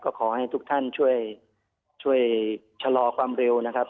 ก็ขอให้ทุกท่านช่วยชะลอความเร็วนะครับ